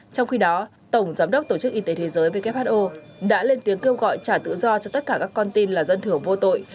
trong khi đó tổng giám đốc tổ chức y tế thế giới who đã lên tiếng kêu gọi trả tự do cho tất cả các con tin là dân thưởng vô tội